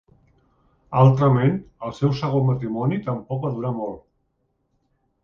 Altrament, el seu segon matrimoni tampoc va durar molt.